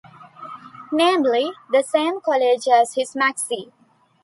Namely, the same college as his "Maxie".